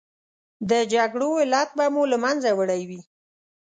د جګړو علت به مو له منځه وړی وي.